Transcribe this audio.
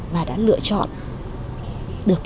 và đã lựa chọn được